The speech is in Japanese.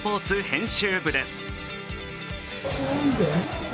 編集部です。